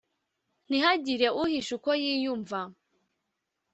ntihagire uhisha uko yiyumva.